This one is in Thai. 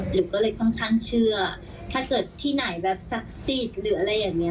ก็เลยค่อนข้างเชื่อถ้าเกิดที่ไหนแบบศักดิ์สิทธิ์หรืออะไรอย่างนี้